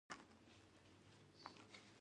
طالبان له «کورني استعماره» جلا نه شي توضیح کېدای.